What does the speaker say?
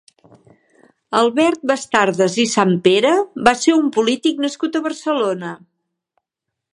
Albert Bastardas i Sampere va ser un polític nascut a Barcelona.